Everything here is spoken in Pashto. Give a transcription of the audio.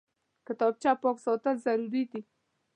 کتابچه پاک ساتل ضروري دي